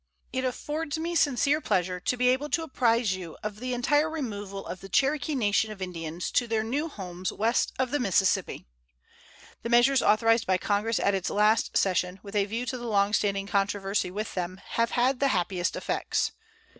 It affords me sincere pleasure to be able to apprise you of the entire removal of the Cherokee Nation of Indians to their new homes west of the Mississippi. The measures authorized by Congress at its last session, with a view to the long standing controversy with them, have had the happiest effects.